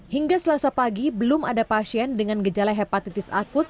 hingga selasa pagi belum ada pasien dengan gejala hepatitis akut